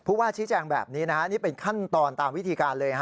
ว่าชี้แจงแบบนี้นะฮะนี่เป็นขั้นตอนตามวิธีการเลยฮะ